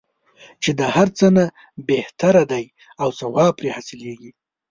چې د هر څه نه بهتره دی او ثواب پرې حاصلیږي.